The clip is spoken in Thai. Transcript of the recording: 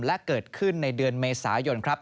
และเกิดขึ้นในเดือนเมษายนครับ